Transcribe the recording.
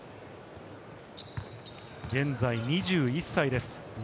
現在２１歳です。